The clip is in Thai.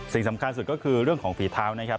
สิ่งสำคัญสุดก็คือเรื่องของฝีเท้านะครับ